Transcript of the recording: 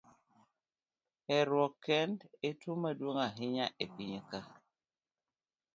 Herruok kend e tuo maduong' ahinya e piny ka.